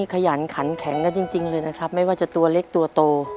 ขยันขันแข็งกันจริงเลยนะครับไม่ว่าจะตัวเล็กตัวโต